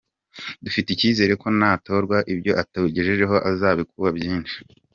Dufite icyizere ko natorwa ibyo atugejejeho azabikuba byinshi.